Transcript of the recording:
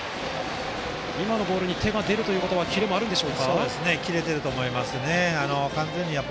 今のボールに手が出るということはキレがあるんでしょうか。